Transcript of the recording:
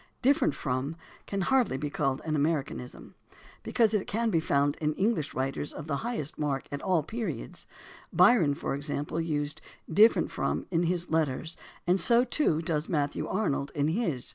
"Different from" can hardly be called an American ism, because it can be found in English writers of the highest mark at all periods. Byron, for example, used "different from" in his letters (Prothero edition, vol. IV, p. 422), and so, too, does Matthew Arnold in his (vol. XIII, I, p.